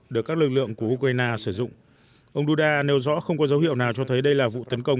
được các lực lượng của ukraine sử dụng ông duda nêu rõ không có dấu hiệu nào cho thấy đây là vụ tấn công